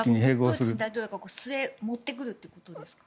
プーチン大統領が持ってくるということですか。